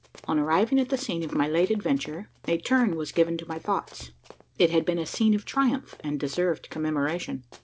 On arriving at the scene of my late adventure, a turn was given to my thoughts. It had been a scene of triumph, and deserved commemoration.